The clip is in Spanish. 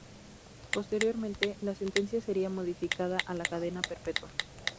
Posteriormente, la sentencia sería modificada a la cadena perpetua.